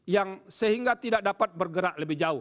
yang sehingga tidak dapat bergerak lebih jauh